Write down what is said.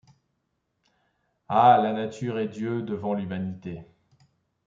Ah ! la nature et Dieu, devant l'humanité